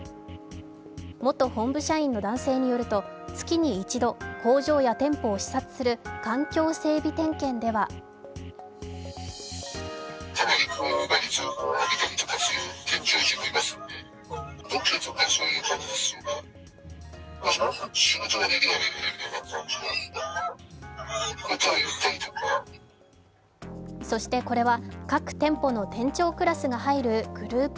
元本部社員の男性によると、月に一度、工場や店舗を視察する環境整備点検ではそしてこれは、各店舗の店長クラスが入るグループ